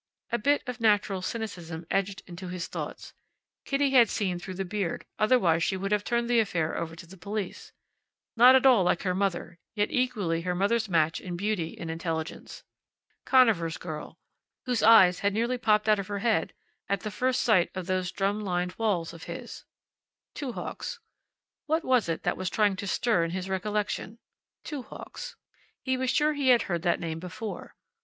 A bit of natural cynicism edged into his thoughts: Kitty had seen through the beard, otherwise she would have turned the affair over to the police. Not at all like her mother, yet equally her mother's match in beauty and intelligence. Conover's girl, whose eyes had nearly popped out of her head at the first sight of those drum lined walls of his. Two Hawks. What was it that was trying to stir in his recollection? Two Hawks. He was sure he had heard that name before.